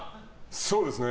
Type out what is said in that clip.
そうですね。